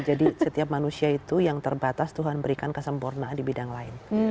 jadi setiap manusia itu yang terbatas tuhan berikan kesempurnaan di bidang lain